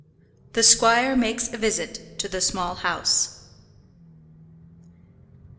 THE SQUIRE MAKES A VISIT TO THE SMALL HOUSE.